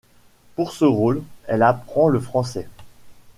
Pour ce rôle, elle apprend le français.